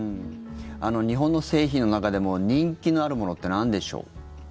日本の製品の中でも人気のあるものってなんでしょう。